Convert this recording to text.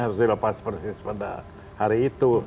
harus dilepas persis pada hari itu